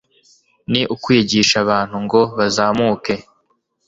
ni ukwigisha abantu ngo bazamuke